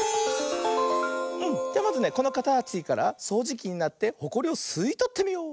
うんじゃまずねこのかたちからそうじきになってホコリをすいとってみよう。